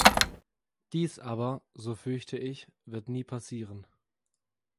Dies aber, so fürchte ich, wird nie passieren.